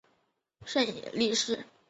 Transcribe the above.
胜野莉世。